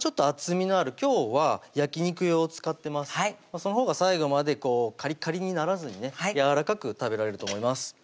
そのほうが最後までこうカリカリにならずにねやわらかく食べられると思います